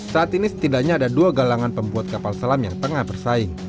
saat ini setidaknya ada dua galangan pembuat kapal selam yang tengah bersaing